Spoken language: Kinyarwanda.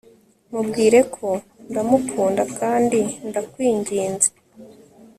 mubwire ko ndamukunda, kandi ndakwinginze